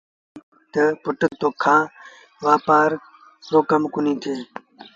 مآ پنڊري پُٽ کي ڪهيآݩديٚ تا پُٽ تو کآݩ وآپآر رو ڪم ڪونهيٚ ٿئي